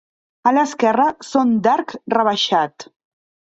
A l'esquerra són d'arc rebaixat.